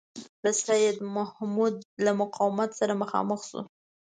د سیدمحمود له مقاومت سره مخامخ شو.